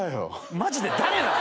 マジで誰なの？